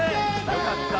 よかった。